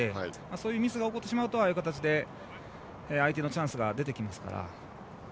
そういうミスが起こるとああいう形で相手のチャンスが出てきますから。